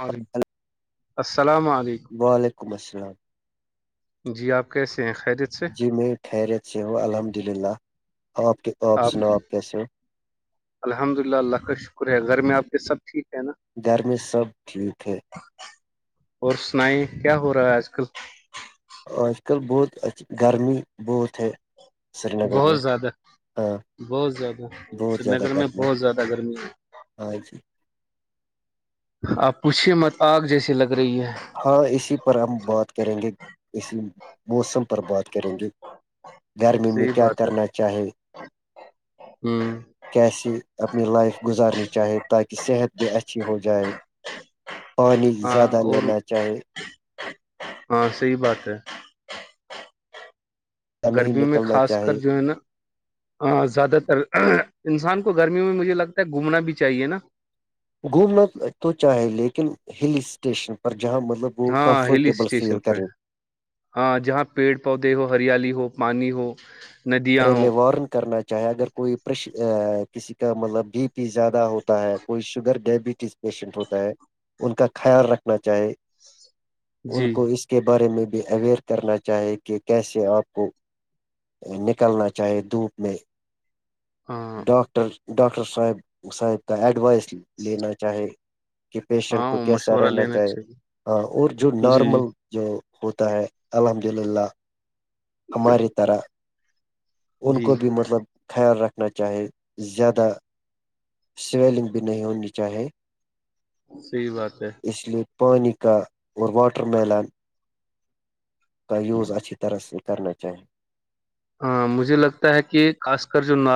وعلیکم السلام علیکم وعلیکم السلام جی آپ کیسے ہیں خیرت سے جی میں خریت سے ہ الحمد للہ آپ آپ سناو آپ کیسے ہو الحمد للہ اللہ کا شکر ہے گھر میں آپ کے سب ٹھیک ہے نا گھر میں سب ٹھیک ہے اور سنائی کیا ہو رہا ہے آج کل آج کل بہت اچ گرمی بہت ہے سری نگر بہت میں زیادہ ہاں بہت زیادہ بہت سری زیادہ نگر میں گرمی بہت زیادہ گرمی ہے ہاں جی آپ پوچھیے مت آگ جیسی لگ رہی ہے ہاں اسی پر ہم بات کریں گے اسی موسم پر بات کریں گے گرمی میں صحیح کیا بات ہے کرنا چاہے ہ کیسے اپنی لائف گزارنی چاہے تاکہ صحت بھی اچھی ہو جائے پانی ہاں زیادہ اور لینا چاہیے ہاں صحی بات ہے نہیں گرمیوں میں نکلنا خاص کر چاہے جو ہے نا ہاں زیادہ تر انسان کو گرمیوں میں مجھے لگتا ہے گھومنا بھی چاہیے نا گھومنا تو چاہے لیکن ہلی اسٹیشن پر جہاں مطلب وہ ہاں ہلی کمفرٹیبل اسٹیشن فیل پہ کریں ہاں جہاں پیڑ پودے ہو ہریالی ہو پانی ہو ندیاں ارے ہوں میں وارن کرنا چاہیں اگر کوئیش کسی کا مطلب بی پی زیادہ ہوتا ہے کوئی شوگر ڈائبٹیز پیشنٹ ہوتا ہے ان کا خیال رکھنا چاہے ان جی کو اس کے بارے میں بھی اویئر کرنا چاہے کہ کیسے آپ کو نک نکلنا چاہیے دھوپ میں [unintelligible] ڈاکٹر ڈاکٹر صاحب صاحب کا ایڈوائس لینا چاہے کہ پیشنٹ ہاں کو وہ کیسا مشورہ رہنا لینا چاہے چاہیے ہاں اور جو جی نارمل جو ہوتا ہے الحمد للہ ہماری طرح ان جی کو بھی مطلب خیال رکھنا چاہے زیادہ سویلنگ بھی نہیں ہونی چاہیے سحی بات ہے اس لیے پانی کا اور واٹر میلان کا یوز اچھی طرح سے کرنا چاہیے مجھے لگتا ہے کہ خاص کر جو ن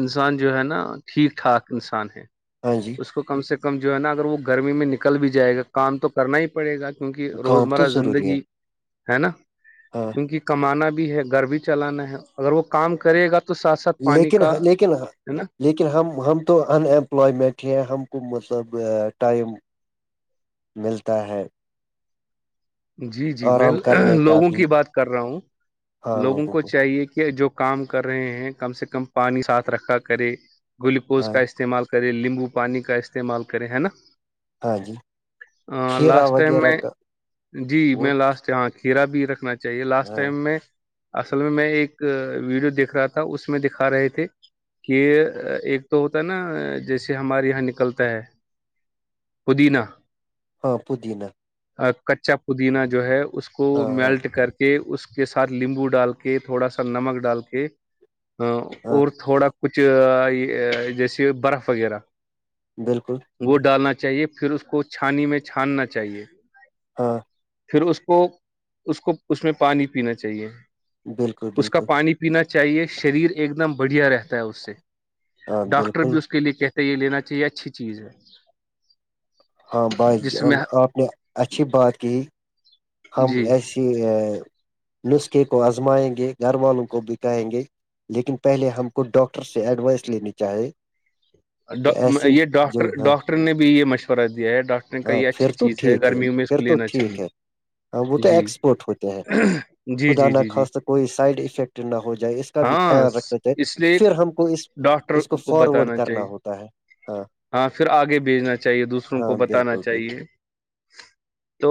انسان جو ہے نا ٹھیک ٹھاک انسان ہے ہاں جی اس کو کم سے کم جو ہے نا اگر وہ گرمی میں نکل بھی جائے گا کام تو کرنا ہی پڑے گا کیونکہ کام تو روزمرہ ضروری ہے زندگی ہے نا ہاں کیونکہ کمانا بھی ہے گھر بھی چلانا ہے اگر وہ کام کرے گا تو تو ساتھ ساتھ پانی لیکن کا لیکن ہے نا لیکن ہم ہم تو ان ایمپلائمنٹ ہیں ہم کو مطلب ٹائم ملتا ہے جی جی میں آرام کرنے کا لوگوں بھی کی بات کر رہا ہوں لوگوں کو چاہیے کہ جو کام کر رہے ہیں کم سے کم پانی ساتھ رکھا کرے گلوکوز ہاں کا استعمال کریں لیمبو پانی کا استعمال کریں ہے نا ہاں جی ا کھیرا لاسٹ ٹائم وغیرہ میں کا جی اور میں لاسٹ یہاں کھیرا بھی رکھنا چاہیے لاسٹ ہاں ٹائم میں اصل میں میں ایک ویڈیو دیکھ رہا تھا اس میں دکھا رہے تھے کہ ایک تو ہوتا ہے نا جیسے ہمارے یہاں نکلتا ہے پودینہ ہاں پودینا کچا پودینہ جو ہے اس کو ہاں ہاں میلٹ کر کے کہ اس کے ساتھ لیمبو ڈال کے تھوڑا سا نمک ڈال کے ہاں اور تھوڑا کچھ جیسے برف وغیرہ بالکل وہ ڈالنا چاہیے پھر اس کو چھانی میں چھاننا چاہیے ہاں پھر اس کو اس کو اس میں پانی پینا چاہیے بالکل اس کا بالکل پانی پینا چاہیے شریر ایک دم بڑھیا رہتا ہے اس سے ہاں ڈاکٹر بالکل بھی اس پ اس کے لیے کہتے یہ لینا چاہیے اچھی چیز ہے ہاں بائی جس جان میں آپ نے اچھی بات کی ہم جی ایسی کہ نسخے کو آزمائیں گے گھر والوں کو بکائیں گے لیکن پہلے ہم کو ڈاکٹر سے ایڈوائس لینی چاہے یہ ڈاکٹر ہے ڈاکٹر نے بھی یہ مشورہ دیا ہے ڈاکٹر کہ ہاں یہ پھر اچھی تو چیز ہے ٹھیک گرمیوں میں اس پھر کو تو لینا ٹھیک چاہیے ہے وہ تو جی ایکسپورٹ ہوتے ہیں جی خدا جی ن جی جی خواست کوئی سائڈ افیکٹ نہ ہو جائے اس کا بھی ہاں خیال رکھنا چاہیے اس لیے پھر ہم کو اس ڈاکٹر اس کو فارورڈ بتانا کرنا چاہیے ہوتا ہے ہاں پھر آگے بھیجنا چاہیے دوسروں کو ہاں بتانا چے بالکل تو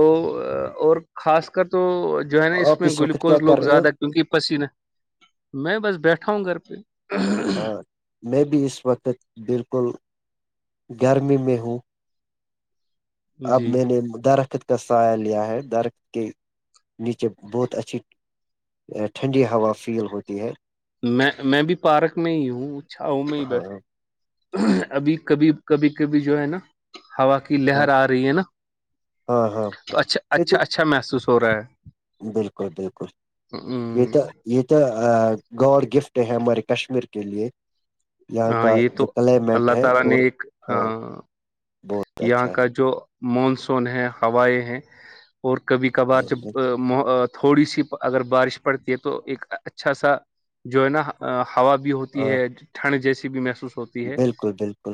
اور خاص کر تو جو ہے نا بالکل اس آپ میں وقت کیا گلوکوز کر لوگ رہے ہو زیادہ کیونک پسیینہ میں بس بیٹھا ہوں گھر پہ ہاں میں بھی اس وقت بالکل گرمی میں ہوں اب جی میں نے درخت کا سایہ لیا ہے درخت کے نیچے بہت اچھی ٹھنڈی ہوا فیل ہوتی ہے میں میں بھی پارک میں ہی ہوں چھاؤوں میں ہی ہاں بیٹھا ہ ابھی کبھی کبھی کبھی جو ہے نا ہوا کے ہاں لہر آ رہی ہے نا ہاں ہاں تو اچھا یہ تو اچھا اچھا محسوس ہو رہا ہے بالکل بالکل یہی ہوں، تو یہ تو گاڈ گفٹ ہے ہمارے کشمیر کے لیے یہاں ہاں کا یہ تو جو کلیمیٹ اللہ ہے تعالی نے اور ایک ا ہاں بہت یہاں اچھا کا جو مانسون ہے ہوائیں ہیں اور کبھی کبھار ہے جب تھوڑی سی اگر بارش پڑتی ہے تو ایک اچھا سا جو ہے نا ہوا بھی ہوتی ہاں ہے ٹھنڈ جیسی بھی محسوس ہوتی ہے بالکل بالکل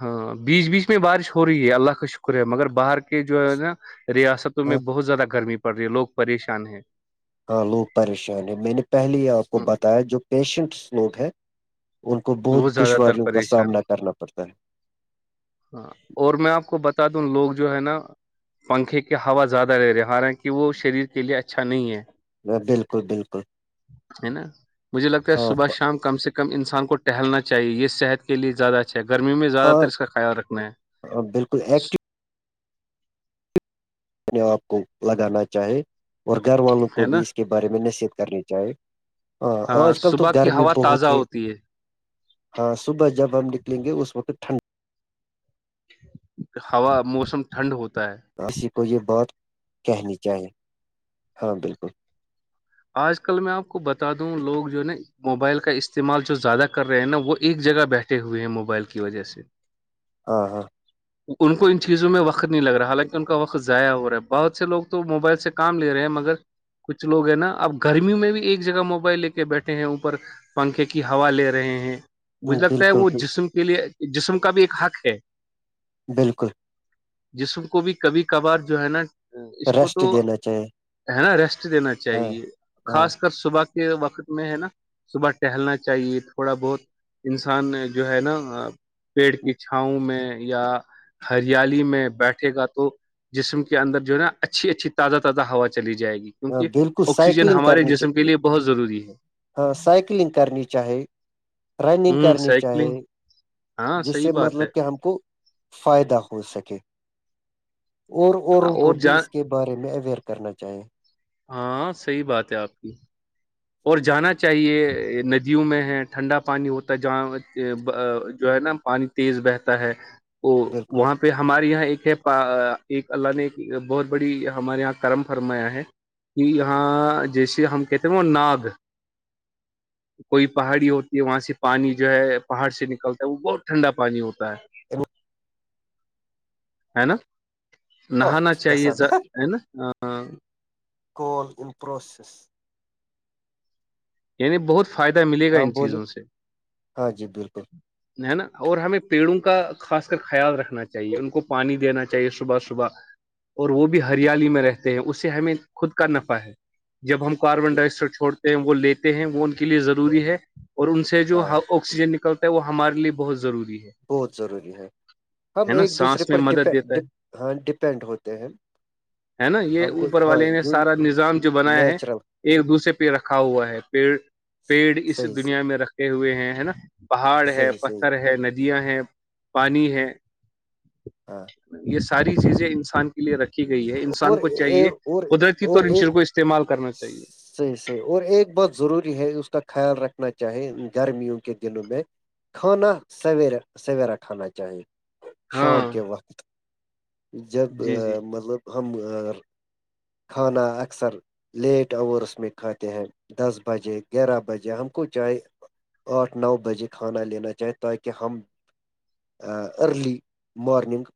ہاں بیچ بیچ میں بارش ہو رہی ہے اللہ کا شکر ہے مگر باہر کے جو ہے نا ریاستوں میں ہاں بہت زیادہ گرمی پڑ رہی ہے لوگ پریشان ہیں ہاں لوگ پریشان ہیں میں نے پہلے ہی آپ کو بتایا جو پیشنٹس لوگ ہیں ان کو بہت وہ زیادہ تر دشواریوں کا پریشان سامنا ہے کرنا پڑتا ہے ہاں اور میں آپ کو بتا دوں لوگ جو ہے نا پنکھے کے ہوا زیادہ رہ رہے حالانکہ وہ شریر کے لیے اچھا نہیں ہے بالکل بالکل ہے نا مجھے لگتا ہے ہاں صبح شام کم سے کم انسان کو ٹہلنا چاہیے یہ صحت کے لیے زیادہ اچھا ہے گرمی میں زیادہ تر اس ہاں کا خیال رکھنا ہے بالکل ایکٹیو اپنے آپ کو لگانا چاہے اور گھر والوں ہے کو بھی نا اس کے بارے میں نصیحت کرنی چاہے ہاں آج کل تو صبح کی گرمی ہوا تازہ بہت ہے ہوتی ہاں صبح جب ہم نکل گے اس وقت ٹھنڈ ہوا موسم ٹھنڈ ہوتا ہے کسی کو یہ بات کہنی چاہیے ہاں بالکل آج کل میں آپ کو بتا دوں لوگ جو ہے نا موبائل کا استعمال جو زیادہ کر رہے ہیں نا وہ ایک جگہ بیٹھے ہوئے ہیں موبائل کی وجہ سے [inaudible] ہاں ہاں [inaudible] ان کو ان چیزوں میں وقت نہیں لگ رہا حالانکہ ان کا وقت ضائع ہو رہا ہے بہت سے لوگ تو موبائل سے کام لے رہے ہیں مگر کچھ لوگ ہیں نا اب گرمی میں بھی ایک جگہ موبائل لے کے بیٹھے ہیں اوپر پنکھے کی ہوا لے رہے ہیں مجھے لگتا ہے بالکل وہ جسم کے لیئے جسم کا بھی ایک حق ہے بالکل جسم کو بھی کبھی کبھار جو ہے نا اس کو تو ریسٹ دینا چاہیے ہے نا ریسٹ دینا ہاں چاہیے ہاں خاص اگر صبح کے وقت میں ہے نا صبح ٹہلنا چاہیے تھوڑا بہت انسان جو ہے نا پیٹ کی چھاؤوں میں یا ہریالی میں بیٹھے گا تو جسم کے اندر جو ہے نا اچھی اچھی تازہ تازہ ہوا چلی جائے گی ہاں کیونکہ بالکل آکسیجن سائیکلنگ ہمارے جسم کے لیے بہت ضروری ہے سائکلنگ کرنی چاہے رننگ ہوں کرنی چاہے سائیکلنگ ہاں جس سے صحیح بات ہے مطلب کہ ہم کو فائدہ ہو سکے اور اوروں کو اور بھی جان اس کے بعد بارے میں اویئر کرنا چاہییں ہاں صحیح بات ہے آپ کی اور جانا چاہیے ندیوں میں ہے ٹھنڈا پانی ہوتا ہے جہاں جو ہے نا پانی تیز بہتا ہے وہ بالکل وہاں پہ پھر ہمارے یہاں ایک ہے ایک اللہ نے ایک بہت بڑی ہمارے یہاں کرم فرمایا ہے کہ یہاں جیسے ہم کہتے وہ ناگ کوئی پہاڑی ہوتی ہے وہاں سے پانی جو ہے پہاڑ سے نکلتا ہے وہ بہت ٹھنڈا پانی ہوتا ہے ہے نا نہانا چاہیے ہے نا کال ان پرروسیس یعنی بہت فائدہ ملے گا ہاں ان بولی چیزوں سے ہاں جی بالکل ہے نا اور ہمیں پیڑوں کا خاص کر خیال رکھنا چاہیے ان کو پانی دینا چاہیے صبح صبح اور وہ بھی ہریالی میں رہتے ہیں اس سے ہمیں خود کا نفع ہے جب ہم کاربن ڈائی آکسائڈ چھوڑتے ہیں وہ لیتے ہیں وہ ان کے لیے ضروری ہے اور ان سے جو ہاں آکسیجن نکلتا ہے وہ ہمارے لیے بہت ضروری ہے بہت ضروری ہے ہم ہے نا ایک دوسرے سانس میں پر مدد دیتا ہے ہاں ڈپینڈ ہوتے ہیں ہے نا یہ ہم کو اوپر ہاں والے نے یوں سارا نظام جو بنایا ہے نیچرل ایک دوسرے پہ رکھا ہوا ہے پیڑ پیڑ اس صحیح دنیا میں رکھے ہوئے ہیں ہے نا پہاڑ ہے صحیح صحیح پتھر ہے ندیاں ہیں پانی ہے ہاں یہ ساری چیزیں انسان کے لیے رکھی گئی ہے انسان اور کو چاہیے اور قدرتی طور ان ش کو استعمال کرنا چاہیے صحیحیح اور ایک بات ضروری ہے اس کا خیال رکھنا چاہے گرمیوں کے دنوں میں کھانا سویرے سویرا کھانا چاہیے شام ہاں کے وقت جب جی جی مطلب ہم کھانا اکثر لیٹ اورس میں کھاتے ہیں دس بجے گیارہ بجے ہم کو چاہے آٹھ نو بجے کھانا لینا چاہیں تاکہ ہم ارلی مارننگ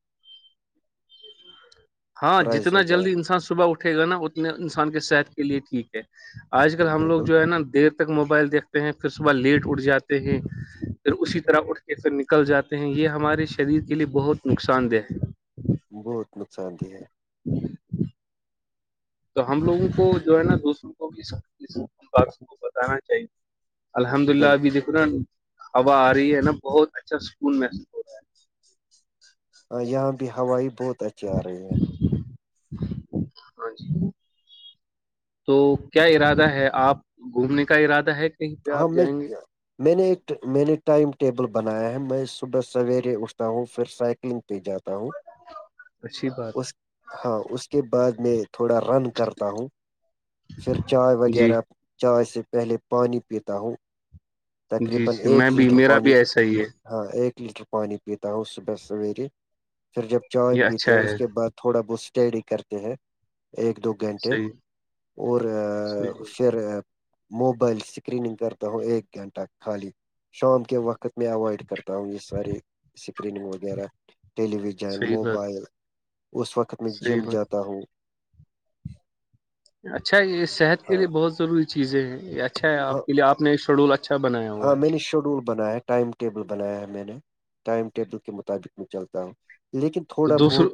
ہاں رائز جتنا ہو جائے جلدی انسان صبح اٹھے گا نا اتنے انسان کے صحت کے لیے ٹھیک ہے آج کل ہم لوگ بالکل جو ہے نا دیر تک موبائل دیکھتے ہیں پھر صبح لیٹ اٹھ جاتے ہیں پھر اسی طرح اٹھ کے پھر نکل جاتے ہیں یہ ہمارے شریر کے لیے بہت نقصان دہ ہے بہت نقصان دہ ہے جی تو ہم لوگوں کو جو ہے نا دوسروں کو اس بات کو بتانا چاہیے الحمد اللہ ابھی بالکل دیکھو نا ہوا آ رہی ہے نا بہت اچھا سکون محسوس ہو یہا بھی ہوائائی بہت اچھی آہی ہاں جی تو کیا ارادہ ہے آپ گھومنے کا ارادہ ہے کہیں پہ آپ ہم میں جائیں گے کیا میں نے ایک میں نے ٹائم ٹیبل بنایا ہے میں صبح سویرے اٹھتا ہوں پھر سائیکلنگ پہ جاتا ہوں اچھی بات ہے اس ہاں اس کے بعد میں تھوڑا رن کرتا ہوں پھر چائے جی وغیرہ چائے سے پہلے پانی پیتا ہوں جی تقریبا جی میں ایک بھی لیٹر میرا بھی پانی ایسا ہی ہے ہاں ایک لیٹر پانی پیتا ہوں صبح سویرے پھر جب چائے یہ پیتے اچھا ہیں اس ہے کے بعد تھوڑا بہت اسٹڈی کرتے ہیں ایک دو گھنٹے صحیح اور صحیح بات پھر موبائل اسکریننگ کرتا ہوں ایک گھنٹہ خالی شام کے وقت میں اوائڈ کرتا ہوں یہ ساری سکریننگ وغیرہ ٹیلی ویژن صحیح بات موبائل اس وقت میں جم صحیح بات جاتا ہوں اچھا یہ صحت کے ہاں لیے بہت ضروری چیزیں ہیں یہ اچھا ہے ہاں آپ کے لی آپ نے شیڈول اچھا بنایا ہوا ہاں ہے میں نے شیڈول بنایا ہے ٹائم ٹیبل بنایا ہے میں نے ٹائم ٹیبل کے مطابق میں چلتا ہوں لیکن تو تھوڑا دوسر بہت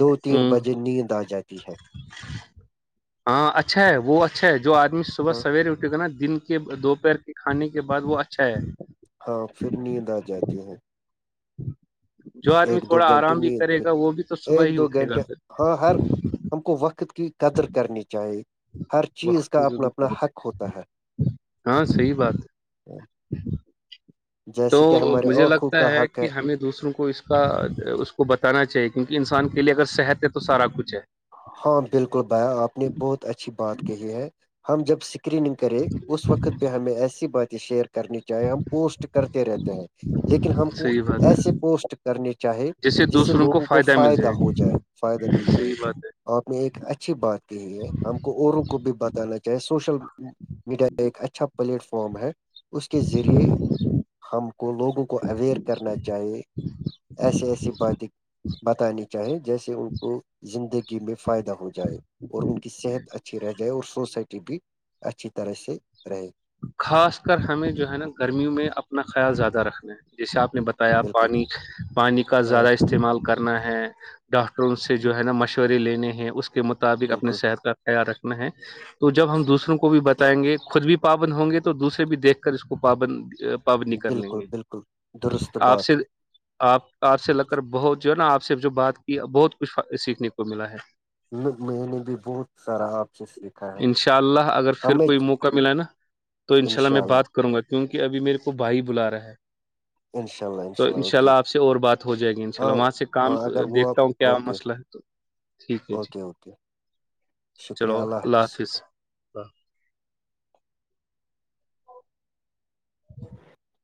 دو تین بجے ہاں نیند آ جاتی ہے ہاں اچھا ہے وہ اچھا ہے جو آدمی صبح ہاں سویرے اٹھ کر نا دن دو پیر کے کھانے کے بعد وہ اچھا ہے ہاں پھر نیند آ جاتی ہے جو آدمی ایک دو تھوڑا گھنٹے آرام بھی نہیں کرے گا وہ بھی تو صبح ایک ہی دو اٹھے گا گھنٹے پھر ہاں ہر ہم کو وقت کی قدر کرنی چاہیے ہر چیز وقت کا کی اپنا اپنا ضرور حق ہوتا ہے ہاں صحی بات ہے تو جیسے کہ ہمارے مجھے آنکھوں لگتا کا ہے حق کہ ہمیں دوسروں کو اس کا اس کو بتانا چاہیے کیونکہ انسان کے لیے اگر صحت ہے تو سارا کچھ ہے ہاں بالکل بایا آپ نے بہت اچھی بات کہی ہے ہم جب اسکریننگ کرے اس وقت بھی ہمیں ایسی باتیں شیئر کرنی چاہیں ہم پوسٹ کرتے رہتے ہیں لیکن ہم کو صحیح بات ایسے ہے پوسٹ کرنے چاہے جس سے لوگوں کو فائدہ ہو جائے فائدہ مل جائے صحیح بات ہے آپ نے ایک اچھی بات کہی ہے ہم کو اوروں کو بھی بتانا چاہے سوشل میڈیا ایک اچھا پلیٹ فارم ہے اس کے ذریعے ہم کو لوگوں کو اوئر کرنا چاہیے ایسے ایسی باتیں بتانی چاہیں جیسے ان کو زندگی میں فائدہ ہو جائے اور ان کی صحت اچھی رہ جائے اور سوسائٹی بھی اچھی طرح سے رہے خاص کر ہمیں جو ہے نا گرمیوں میں اپنا خیال زیادہ رکھنا ہے جیسے آپ نے بتا آیا بالکل پانی کا ہاں زیادہ استعمال کرنا ہے ڈاکٹروں سے جو ہے نا مشورے لینے ہیں اس کے مطابق اپنی بالکل صحت کا تیار رکھنا ہے تو جب ہم دوسروں کو بھی بتائیں گے خود بھی پاابن ہوں گے تو دوسرے بھی دیکھ کر اس کو پاابن پبنی کر لیں بالکل گے بالکل درست آپ سے بات آپ آپ سے لگ کر بہت جو ہے نا آپ سے جو بات کی بہت کچھ سیکھنے کو ملا ہے میں میں نے بھی بہت سارا آپ سے سیکھا ہے انشاء اللہ اگر پھر ہمیں کوئی موقع ملا ہے نا تو ان شاء اللہ میں بات کروں گا کیونکہ ابھی میرے کو بھائی بلا رہا ہے انشاء اللہ تو انشاء اللہ اوکے انشاءلہ آپ سے اور بات ہو جائے گی انشاء ہاں اللہ وہاں سے کام ہاں اگر وہ آپ دیکھتا ہوں کیا اوکے مسئلہ ہے تو ٹھیک ہے جی اوکے اوکے شکریہ اللہ حافظ [unintelligible]